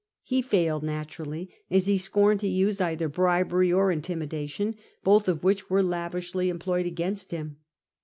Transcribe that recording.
He failed, naturally, as he scorned to use either bribery or intimidation, both of which were lavishly employed against him.